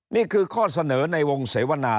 นี่คือข้อเสนอในวงเสวนา